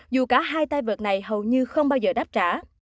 dù cả hai tay vợt này hầu như không bao giờ đáp trả